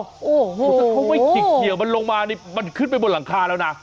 โอ้โหถ้าเขาไม่ขี่มันลงมานี่มันขึ้นไปบนหลังคาแล้วนะ